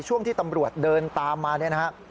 ช่วงที่ตำรวจเดินตามมาเนี่ยนะฮะ